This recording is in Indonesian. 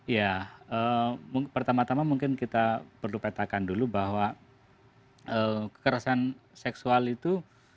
ya pertama tama mungkin kita perlu petakan dulu bahwa kekerasan seksual itu